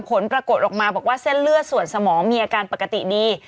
ผลปรากฏออกมาบอกว่าเส้นเลือดส่วนสมองมีอาการปกติดี